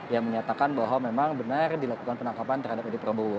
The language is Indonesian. yang menyatakan bahwa memang benar dilakukan penangkapan terhadap edi prabowo